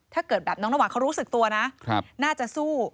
ถ้าเกิดแบบน้องน้ำหวานเขารู้สึกตัวนะน่าจะสู้